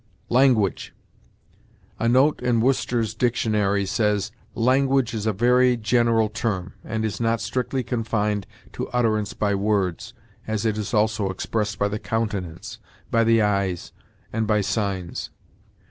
LANGUAGE. A note in Worcester's Dictionary says: "Language is a very general term, and is not strictly confined to utterance by words, as it is also expressed by the countenance, by the eyes, and by signs.